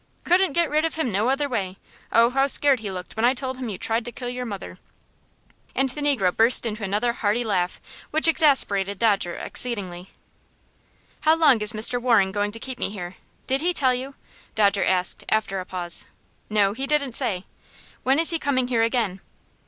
"Couldn't get rid of him no other way. Oh, how scared he looked when I told him you tried to kill your mother." And the negro burst into another hearty laugh which exasperated Dodger exceedingly. "How long is Mr. Waring going to keep me here? Did he tell you?" Dodger asked, after a pause. "No; he didn't say." "When is he coming here again?"